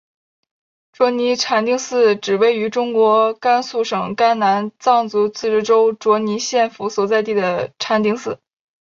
卓尼禅定寺指位于中国甘肃省甘南藏族自治州卓尼县府所在地的禅定寺。